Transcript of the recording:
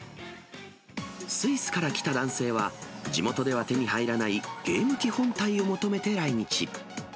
スイスから来た男性は、地元では手に入らないゲーム機本体を求めて来日。